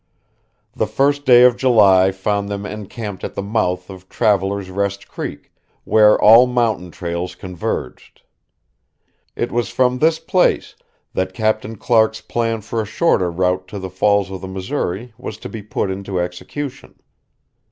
The first day of July found them encamped at the mouth of Traveler's Rest Creek, where all mountain trails converged. It was from this place that Captain Clark's plan for a shorter route to the Falls of the Missouri was to be put into execution.